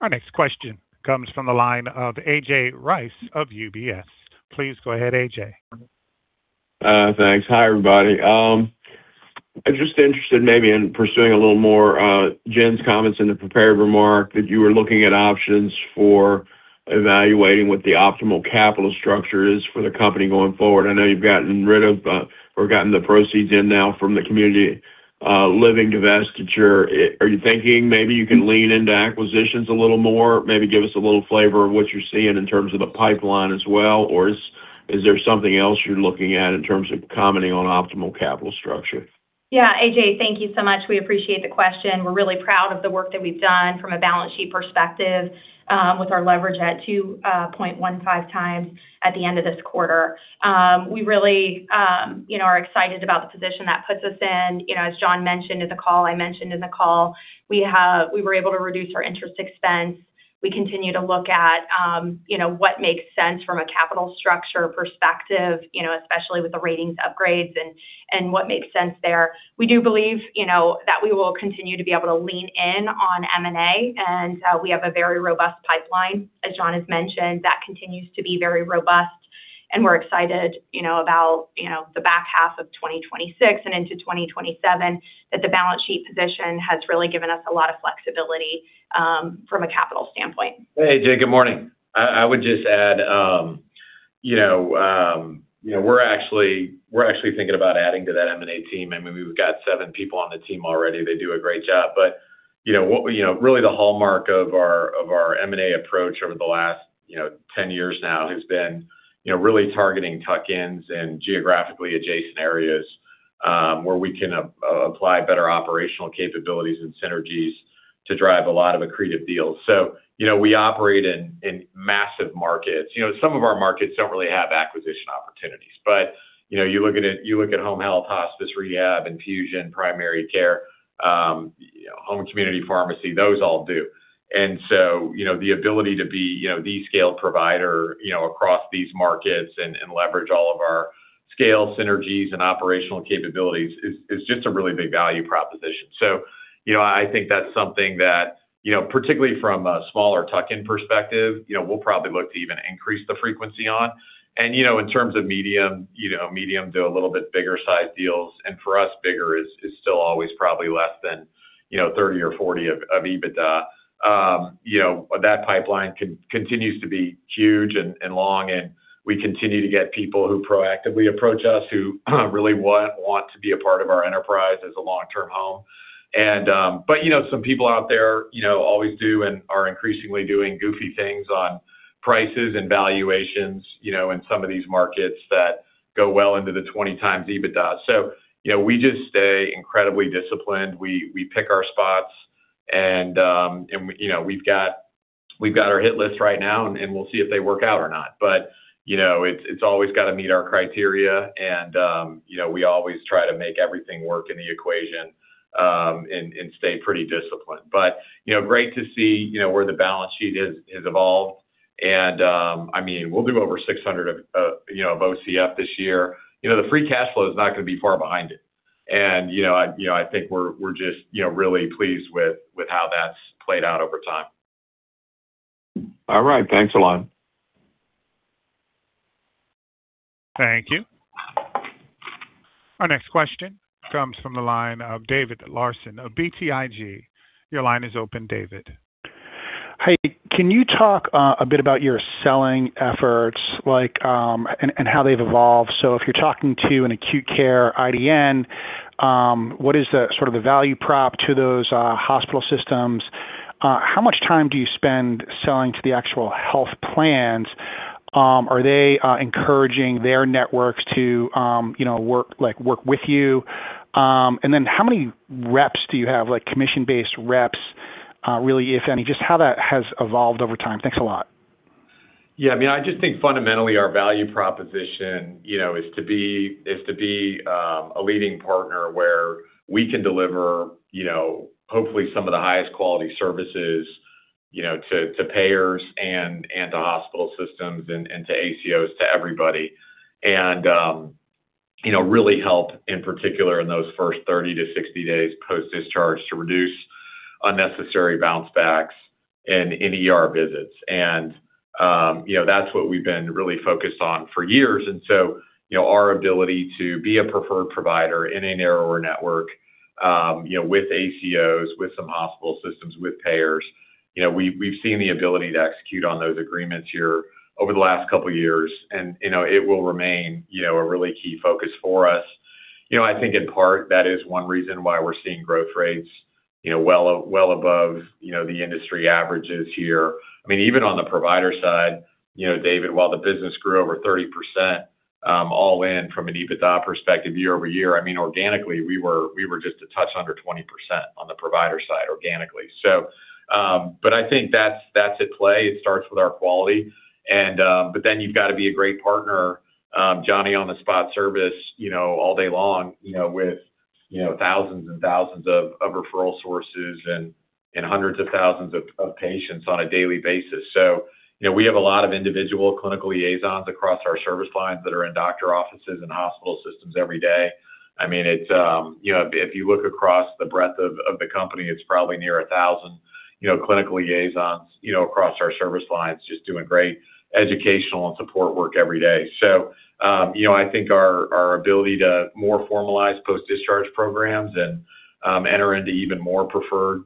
Our next question comes from the line of A.J. Rice of UBS. Please go ahead, A.J. Thanks. Hi, everybody. I'm just interested maybe in pursuing a little more Jen's comments in the prepared remark, that you were looking at options for evaluating what the optimal capital structure is for the company going forward. I know you've gotten rid of or gotten the proceeds in now from the community living divestiture. Are you thinking maybe you can lean into acquisitions a little more? Maybe give us a little flavor of what you're seeing in terms of the pipeline as well, or is there something else you're looking at in terms of commenting on optimal capital structure? A.J., thank you so much. We appreciate the question. We're really proud of the work that we've done from a balance sheet perspective with our leverage at 2.15x at the end of this quarter. We really are excited about the position that puts us in. As Jon mentioned in the call, I mentioned in the call, we were able to reduce our interest expense. We continue to look at what makes sense from a capital structure perspective, especially with the ratings upgrades and what makes sense there. We do believe that we will continue to be able to lean in on M&A, and we have a very robust pipeline, as Jon has mentioned, that continues to be very robust, and we're excited about the back half of 2026 and into 2027, that the balance sheet position has really given us a lot of flexibility from a capital standpoint. Hey, A.J., good morning. We're actually thinking about adding to that M&A team. We've got seven people on the team already. They do a great job. Really the hallmark of our M&A approach over the last 10 years now has been really targeting tuck-ins and geographically adjacent areas, where we can apply better operational capabilities and synergies to drive a lot of accretive deals. We operate in massive markets. Some of our markets don't really have acquisition opportunities, you look at home health, hospice, rehab, infusion, primary care, home and community pharmacy, those all do. The ability to be the scale provider across these markets and leverage all of our scale synergies and operational capabilities is just a really big value proposition. I think that's something that, particularly from a smaller tuck-in perspective, we'll probably look to even increase the frequency on. In terms of medium to a little bit bigger sized deals, and for us, bigger is still always probably less than 30% or 40% of EBITDA. That pipeline continues to be huge and long, and we continue to get people who proactively approach us, who really want to be a part of our enterprise as a long-term home. Some people out there always do and are increasingly doing goofy things on prices and valuations in some of these markets that go well into the 20x EBITDA. We just stay incredibly disciplined. We pick our spots and we've got our hit list right now, and we'll see if they work out or not. It's always got to meet our criteria and we always try to make everything work in the equation, and stay pretty disciplined. Great to see where the balance sheet has evolved and, I mean, we'll do over $600 of OCF this year. The free cash flow is not going to be far behind it. I think we're just really pleased with how that's played out over time. All right. Thanks a lot. Thank you. Our next question comes from the line of David Larsen of BTIG. Your line is open, David. Hey, can you talk a bit about your selling efforts and how they've evolved? If you're talking to an acute care IDN, what is the value prop to those hospital systems? How much time do you spend selling to the actual health plans? Are they encouraging their networks to work with you? How many reps do you have, like commission-based reps, really, if any? Just how that has evolved over time. Thanks a lot. I just think fundamentally our value proposition is to be a leading partner where we can deliver hopefully some of the highest quality services to payers and to hospital systems and to ACOs, to everybody. Really help in particular in those first 30 days-60 days post-discharge to reduce unnecessary bounce backs and any ER visits. That's what we've been really focused on for years, Our ability to be a preferred provider in a narrower network, with ACOs, with some hospital systems, with payers. We've seen the ability to execute on those agreements here over the last couple of years, and it will remain a really key focus for us. I think in part, that is one reason why we're seeing growth rates well above the industry averages here. I mean, even on the provider side, David, while the business grew over 30%, all in from an EBITDA perspective year-over-year, I mean, organically, we were just a touch under 20% on the provider side organically. I think that's at play. It starts with our quality. Then you've got to be a great partner, Johnny on the spot service all day long, with thousands and thousands of referral sources and hundreds of thousands of patients on a daily basis. We have a lot of individual clinical liaisons across our service lines that are in doctor offices and hospital systems every day. I mean, if you look across the breadth of the company, it's probably near 1,000 clinical liaisons across our service lines, just doing great educational and support work every day. I think our ability to more formalize post-discharge programs and enter into even more preferred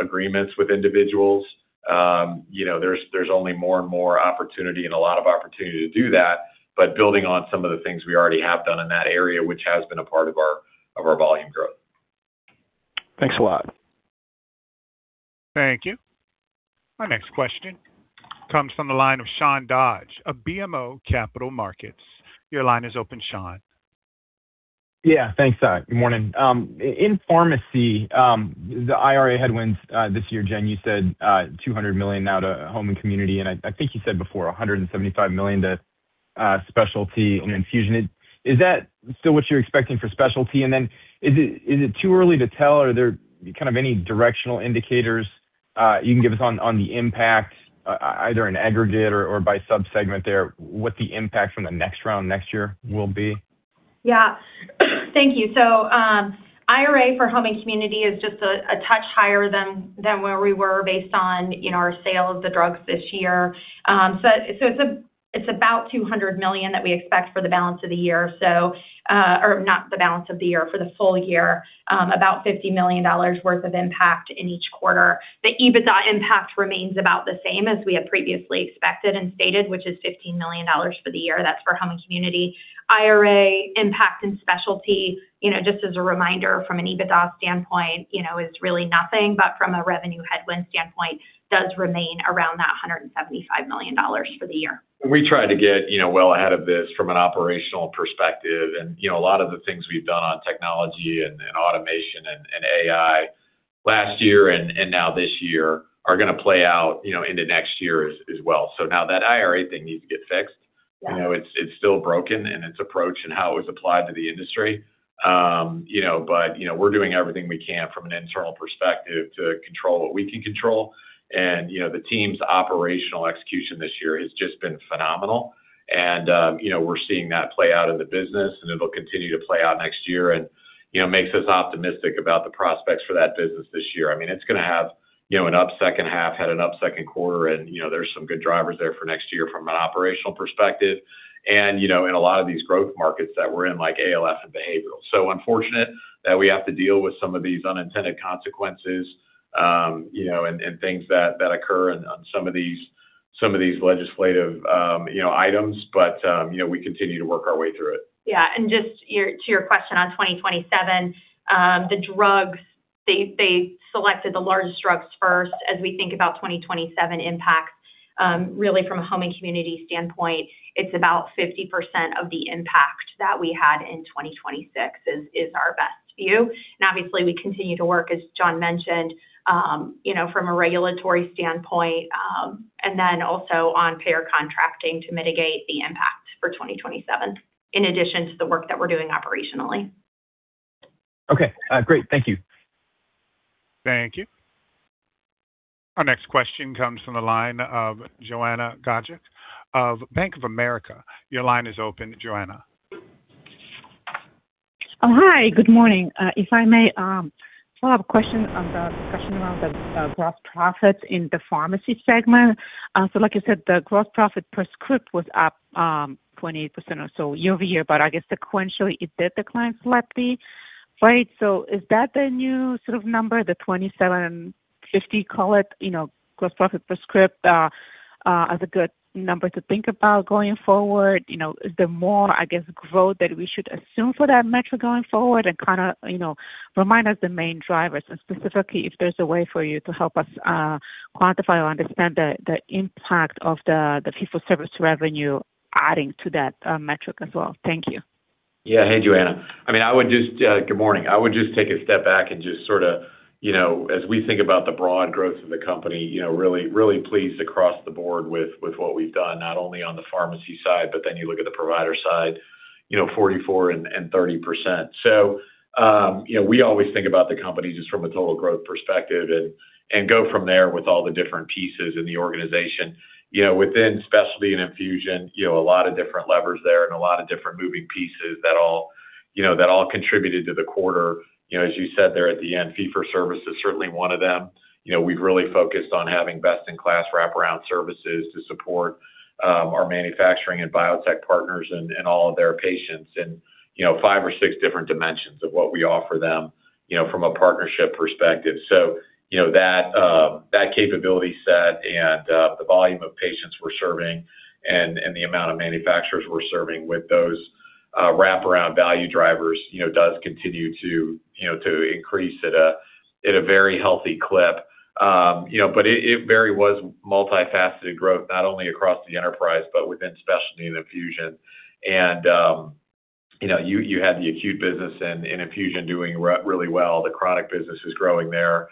agreements with individuals. There's only more and more opportunity and a lot of opportunity to do that. Building on some of the things we already have done in that area, which has been a part of our volume growth. Thanks a lot. Thank you. Our next question comes from the line of Sean Dodge of BMO Capital Markets. Your line is open, Sean. Yeah. Thanks, Todd. Good morning. In pharmacy, the IRA headwinds this year, Jen, you said, $200 million now to home and community. I think you said before $175 million to specialty and infusion. Is that still what you're expecting for specialty? Then is it too early to tell, are there kind of any directional indicators you can give us on the impact, either in aggregate or by sub-segment there, what the impact from the next round next year will be? Yeah. Thank you. IRA for home and community is just a touch higher than where we were based on our sale of the drugs this year. It's about $200 million that we expect for the balance of the year. Or not the balance of the year, for the full year, about $50 million worth of impact in each quarter. The EBITDA impact remains about the same as we had previously expected and stated, which is $15 million for the year. That's for home and community, IRA impact, and specialty. Just as a reminder, from an EBITDA standpoint, it's really nothing. From a revenue headwind standpoint, does remain around that $175 million for the year. We try to get well ahead of this from an operational perspective. A lot of the things we've done on technology and automation and AI last year and now this year are going to play out into next year as well. Now that IRA thing needs to get fixed. Yeah. It's still broken in its approach and how it was applied to the industry. We're doing everything we can from an internal perspective to control what we can control. The team's operational execution this year has just been phenomenal. We're seeing that play out in the business, and it'll continue to play out next year and makes us optimistic about the prospects for that business this year. It's going to have an up second half, had an up second quarter, and there's some good drivers there for next year from an operational perspective. In a lot of these growth markets that we're in, like ALF and behavioral. Unfortunate that we have to deal with some of these unintended consequences, and things that occur on some of these legislative items. We continue to work our way through it. Yeah. Just to your question on 2027, the drugs, they selected the largest drugs first. As we think about 2027 impacts, really from a home and community standpoint, it's about 50% of the impact that we had in 2026 is our best view. Obviously, we continue to work, as Jon mentioned, from a regulatory standpoint, and then also on payer contracting to mitigate the impact for 2027, in addition to the work that we're doing operationally. Okay, great. Thank you. Thank you. Our next question comes from the line of Joanna Gajuk of Bank of America. Your line is open, Joanna. Hi, good morning. If I may, still have a question on the discussion around the gross profits in the pharmacy segment. Like you said, the gross profit per script was up 28% or so year-over-year, but I guess sequentially it did decline slightly. Right? Is that the new sort of number, the $27.50, call it, gross profit per script, as a good number to think about going forward? Is there more, I guess, growth that we should assume for that metric going forward? Kind of remind us the main drivers and specifically if there's a way for you to help us quantify or understand the impact of the fee-for-service revenue adding to that metric as well. Thank you. Hey, Joanna. Good morning. I would just take a step back and just sort of, as we think about the broad growth of the company, really pleased across the board with what we've done, not only on the pharmacy side, you look at the provider side, 44% and 30%. We always think about the company just from a total growth perspective and go from there with all the different pieces in the organization. Within specialty and infusion, a lot of different levers there and a lot of different moving pieces that all contributed to the quarter. As you said there at the end, fee-for-service is certainly one of them. We've really focused on having best-in-class wraparound services to support our manufacturing and biotech partners and all of their patients, and five or six different dimensions of what we offer them, from a partnership perspective. That capability set and the volume of patients we're serving and the amount of manufacturers we're serving with those wraparound value drivers does continue to increase at a very healthy clip. It, but very was multifaceted growth, not only across the enterprise, but within specialty and infusion. You had the acute business and infusion doing really well. The chronic business is growing their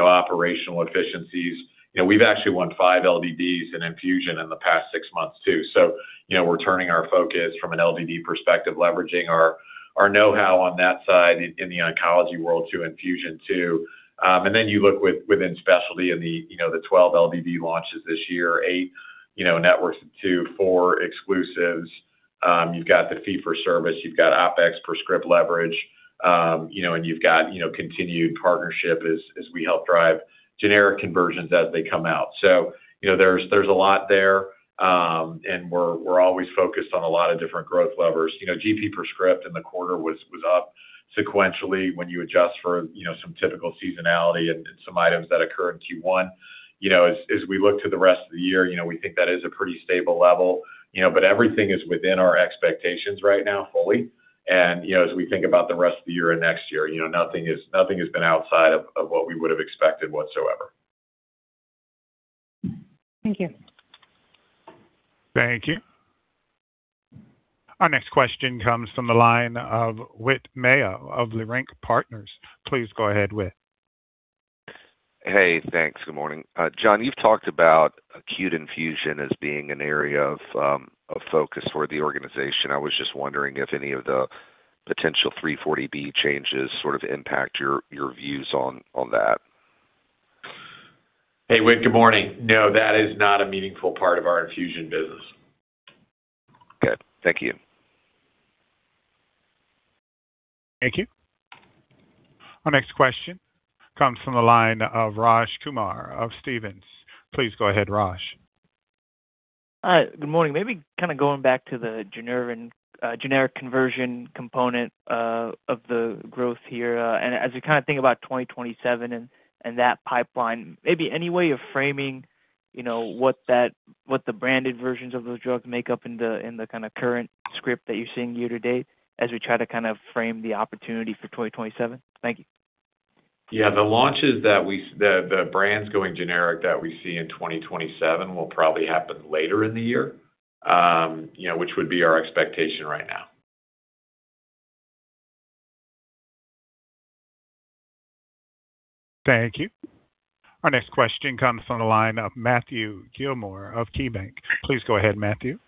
operational efficiencies. We've actually won five LDDs in infusion in the past six months, too. We're turning our focus from an LDD perspective, leveraging our know-how on that side in the oncology world to infusion, too. You look within specialty and the 12 LDD launches this year, eight networks to four exclusives. You've got the fee-for-service, you've got OPEX per script leverage, and you've got continued partnership as we help drive generic conversions as they come out. There's a lot there, and we're always focused on a lot of different growth levers. GP per script in the quarter was up sequentially when you adjust for some typical seasonality and some items that occur in Q1. As we look to the rest of the year, we think that is a pretty stable level. Everything is within our expectations right now fully. As we think about the rest of the year and next year, nothing has been outside of what we would have expected whatsoever. Thank you. Thank you. Our next question comes from the line of Whit Mayo of Leerink Partners. Please go ahead, Whit. Hey, thanks. Good morning. Jon, you've talked about acute infusion as being an area of focus for the organization. I was just wondering if any of the potential 340B changes sort of impact your views on that. Hey, Whit, good morning. No, that is not a meaningful part of our infusion business. Okay. Thank you. Thank you. Our next question comes from the line of Raj Kumar of Stephens. Please go ahead, Raj. Hi, good morning. Maybe going back to the generic conversion component of the growth here, as we think about 2027 and that pipeline, maybe any way of framing what the branded versions of those drugs make up in the current script that you're seeing year to date, as we try to frame the opportunity for 2027? Thank you. Yeah, the brands going generic that we see in 2027 will probably happen later in the year, which would be our expectation right now. Thank you. Our next question comes from the line of Matthew Gillmor of KeyBanc Capital Markets. Please go ahead, Matthew.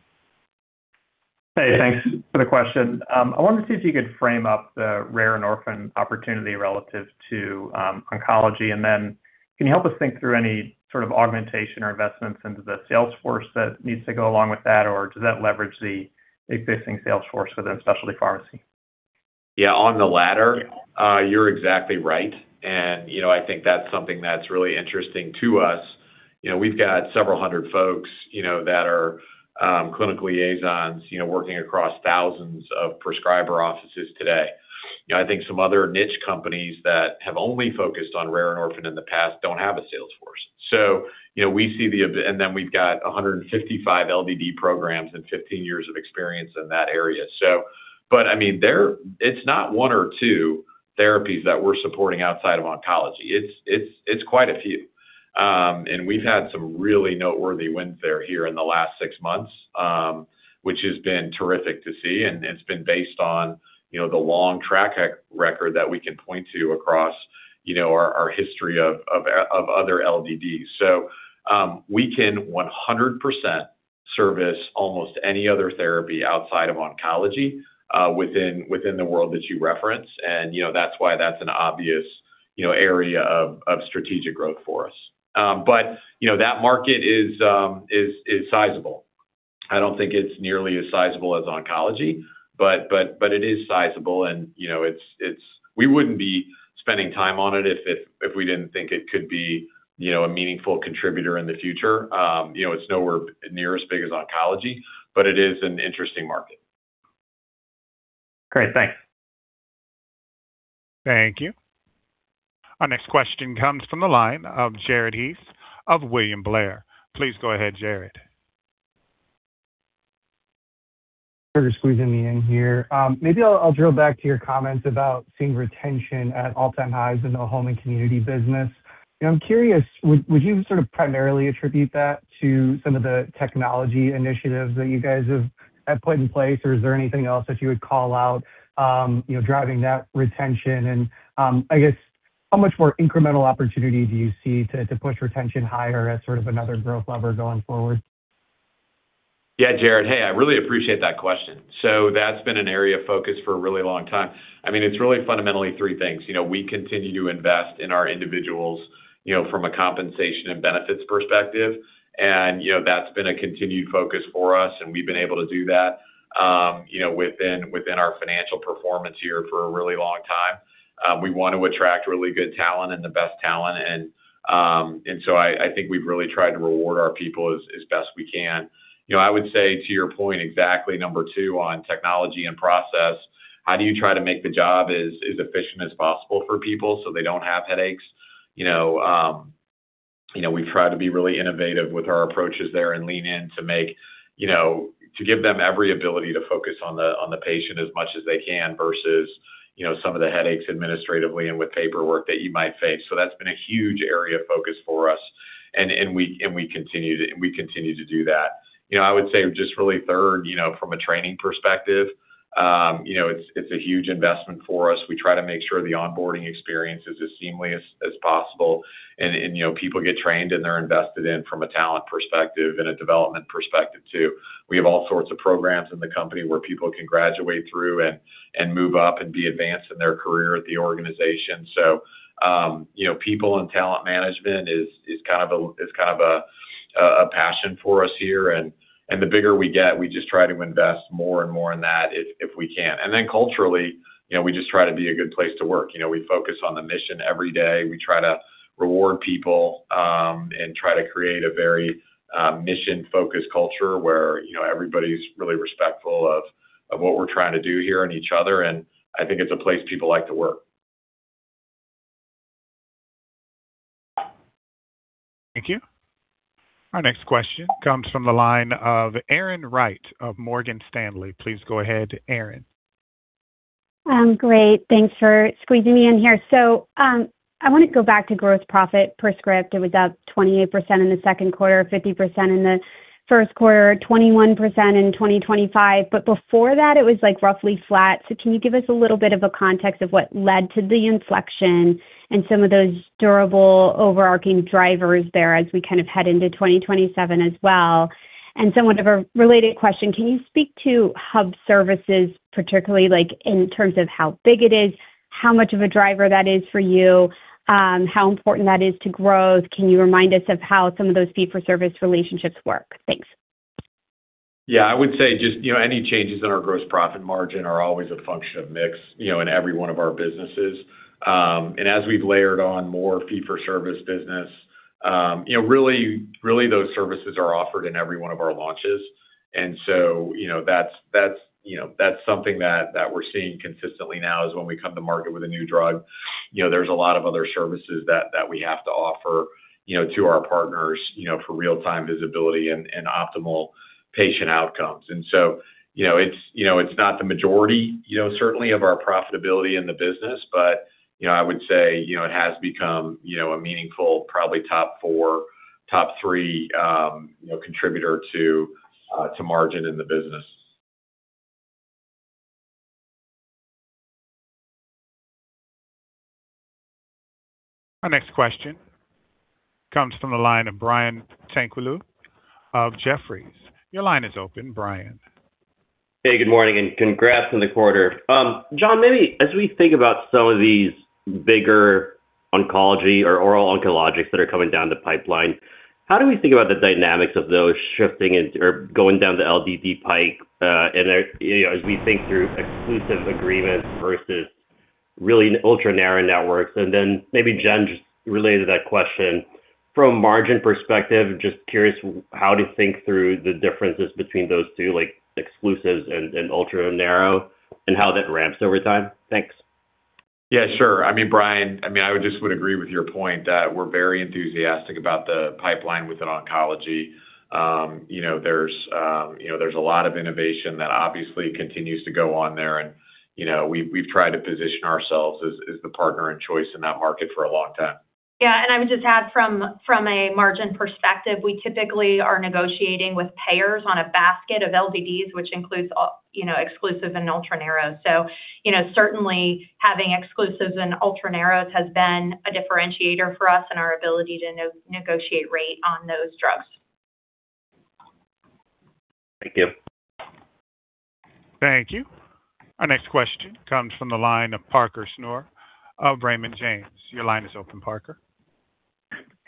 Hey, thanks for the question. I wanted to see if you could frame up the rare and orphan opportunity relative to oncology, and then can you help us think through any sort of augmentation or investments into the sales force that needs to go along with that? Or does that leverage the existing sales force within specialty pharmacy? Yeah, on the latter, you're exactly right, and I think that's something that's really interesting to us. We've got several hundred folks that are clinical liaisons working across thousands of prescriber offices today. I think some other niche companies that have only focused on rare and orphan in the past don't have a sales force. We've got 155 LDD programs and 15 years of experience in that area. It's not one or two therapies that we're supporting outside of oncology. It's quite a few. We've had some really noteworthy wins there here in the last six months, which has been terrific to see, and it's been based on the long track record that we can point to across our history of other LDDs. We can 100% service almost any other therapy outside of oncology within the world that you reference, and that's why that's an obvious area of strategic growth for us. That market is sizable. I don't think it's nearly as sizable as oncology, but it is sizable, and we wouldn't be spending time on it if we didn't think it could be a meaningful contributor in the future. It's nowhere near as big as oncology, but it is an interesting market. Great. Thanks. Thank you. Our next question comes from the line of Jared Haase of William Blair. Please go ahead, Jared. Thanks for squeezing me in here. Maybe I'll drill back to your comments about seeing retention at all-time highs in the home and community business. I'm curious, would you primarily attribute that to some of the technology initiatives that you guys have put in place, or is there anything else that you would call out driving that retention? I guess how much more incremental opportunity do you see to push retention higher as another growth lever going forward? Yeah, Jared. Hey, I really appreciate that question. That's been an area of focus for a really long time. It's really fundamentally three things. We continue to invest in our individuals from a compensation and benefits perspective, and that's been a continued focus for us, and we've been able to do that within our financial performance here for a really long time. We want to attract really good talent and the best talent, and so I think we've really tried to reward our people as best we can. I would say to your point exactly, number two on technology and process, how do you try to make the job as efficient as possible for people so they don't have headaches? We've tried to be really innovative with our approaches there and lean in to give them every ability to focus on the patient as much as they can versus some of the headaches administratively and with paperwork that you might face. That's been a huge area of focus for us, and we continue to do that. I would say just really third, from a training perspective, it's a huge investment for us. We try to make sure the onboarding experience is as seamless as possible, and people get trained, and they're invested in from a talent perspective and a development perspective, too. We have all sorts of programs in the company where people can graduate through and move up and be advanced in their career at the organization. People and talent management is kind of a passion for us here, and the bigger we get, we just try to invest more and more in that if we can. Then culturally, we just try to be a good place to work. We focus on the mission every day. We try to reward people, and try to create a very mission-focused culture where everybody's really respectful of what we're trying to do here and each other, and I think it's a place people like to work. Thank you. Our next question comes from the line of Erin Wright of Morgan Stanley. Please go ahead, Erin. Great. Thanks for squeezing me in here. I want to go back to gross profit per script. It was up 28% in the second quarter, 50% in the first quarter, 21% in 2025. Before that, it was roughly flat. Can you give us a little bit of a context of what led to the inflection and some of those durable, overarching drivers there as we head into 2027 as well? Somewhat of a related question, can you speak to hub services, particularly in terms of how big it is, how much of a driver that is for you, how important that is to growth? Can you remind us of how some of those fee-for-service relationships work? Thanks. I would say just any changes in our gross profit margin are always a function of mix, in every one of our businesses. As we've layered on more fee-for-service business, really those services are offered in every one of our launches. That's something that we're seeing consistently now is when we come to market with a new drug, there's a lot of other services that we have to offer to our partners for real-time visibility and optimal patient outcomes. It's not the majority certainly of our profitability in the business, but I would say, it has become a meaningful, probably top four, top three contributor to margin in the business. Our next question comes from the line of Brian Tanquilut of Jefferies. Your line is open, Brian. Hey, good morning, and congrats on the quarter. Jon, maybe as we think about some of these bigger oncology or oral oncologics that are coming down the pipeline, how do we think about the dynamics of those shifting or going down the LDD pipe, as we think through exclusive agreements versus really ultra-narrow networks? Maybe Jen, just related to that question, from a margin perspective, just curious how to think through the differences between those two, like exclusives and ultra narrow and how that ramps over time. Thanks. Yeah, sure. Brian, I just would agree with your point that we're very enthusiastic about the pipeline within oncology. There's a lot of innovation that obviously continues to go on there, we've tried to position ourselves as the partner in choice in that market for a long time. I would just add from a margin perspective, we typically are negotiating with payers on a basket of LDDs, which includes exclusive and ultra narrow. Certainly having exclusives and ultra narrows has been a differentiator for us and our ability to negotiate rate on those drugs. Thank you. Thank you. Our next question comes from the line of Parker Snure of Raymond James. Your line is open, Parker.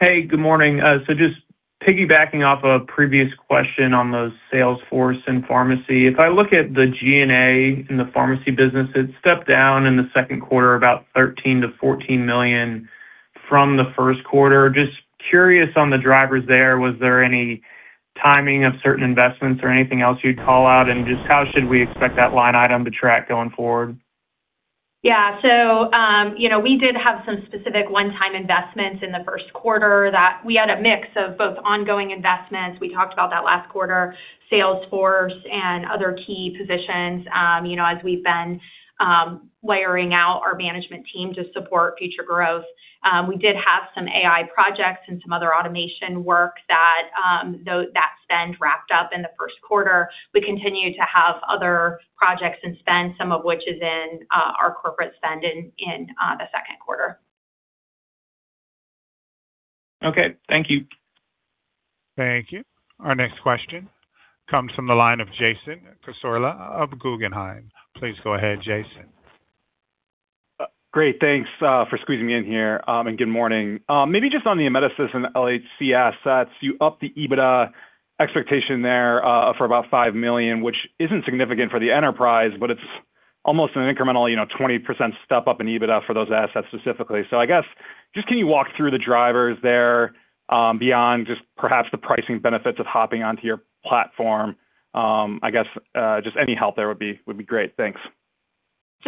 Hey, good morning. Just piggybacking off a previous question on those sales force and pharmacy. If I look at the G&A in the pharmacy business, it stepped down in the second quarter about $13 million-$14 million from the first quarter. Just curious on the drivers there, was there any timing of certain investments or anything else you'd call out? Just how should we expect that line item to track going forward? Yeah. We did have some specific one-time investments in the first quarter that we had a mix of both ongoing investments, we talked about that last quarter, sales force and other key positions as we've been layering out our management team to support future growth. We did have some AI projects and some other automation work that spend wrapped up in the first quarter. We continue to have other projects and spend, some of which is in our corporate spend in the second quarter. Okay, thank you. Thank you. Our next question comes from the line of Jason Cassorla of Guggenheim. Please go ahead, Jason. Great. Thanks for squeezing me in here, good morning. Maybe just on the Amedisys and LHC assets, you upped the EBITDA expectation there for about $5 million, which isn't significant for the enterprise, but it's almost an incremental 20% step up in EBITDA for those assets specifically. I guess, just can you walk through the drivers there, beyond just perhaps the pricing benefits of hopping onto your platform? I guess, just any help there would be great. Thanks.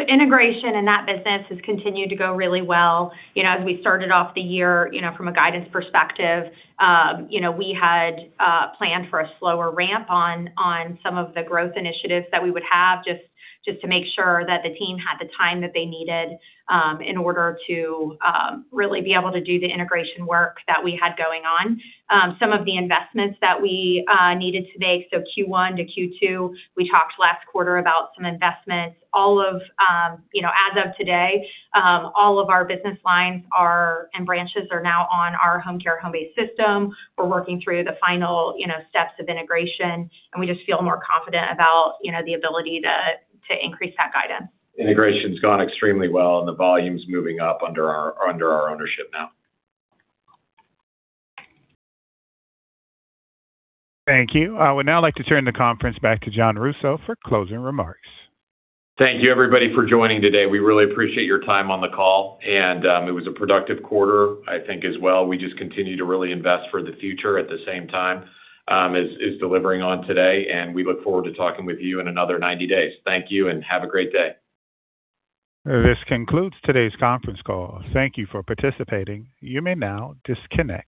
Integration in that business has continued to go really well. As we started off the year, from a guidance perspective, we had planned for a slower ramp on some of the growth initiatives that we would have just to make sure that the team had the time that they needed in order to really be able to do the integration work that we had going on. Some of the investments that we needed to make, Q1-Q2, we talked last quarter about some investments. As of today, all of our business lines and branches are now on our home care, home-based system. We're working through the final steps of integration, we just feel more confident about the ability to increase that guidance. Integration's gone extremely well, the volume's moving up under our ownership now. Thank you. I would now like to turn the conference back to Jon Rousseau for closing remarks. Thank you everybody for joining today. We really appreciate your time on the call, it was a productive quarter, I think as well. We just continue to really invest for the future at the same time as delivering on today, we look forward to talking with you in another 90 days. Thank you and have a great day. This concludes today's conference call. Thank you for participating. You may now disconnect.